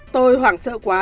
tôi hoảng sợ quá